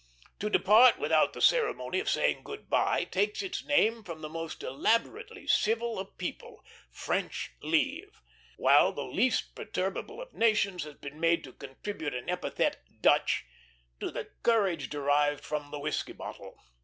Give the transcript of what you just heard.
To depart without the ceremony of saying good bye takes its name from the most elaborately civil of people French leave; while the least perturbable of nations has been made to contribute an epithet, Dutch, to the courage derived from the whiskey bottle.